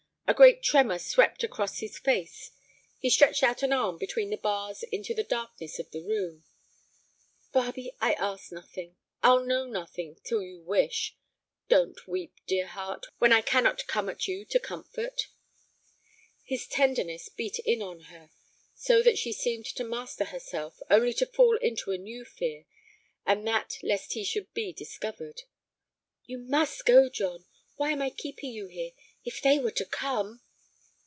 A great tremor swept across his face. He stretched out an arm between the bars into the darkness of the room. "Barbe, I ask nothing—I'll know nothing—till you wish. Don't weep, dear heart, when I cannot come at you to comfort." His tenderness beat in on her, so that she seemed to master herself, only to fall into a new fear, and that lest he should be discovered. "You must go, John. Why am I keeping you here? If they were to come!"